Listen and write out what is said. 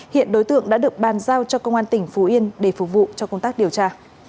hiện đối tượng đã được bàn giao cho công an tỉnh phú yên để phục vụ cho công tác điều tra